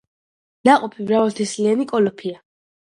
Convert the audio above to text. ნაყოფი მრავალთესლიანი კოლოფია.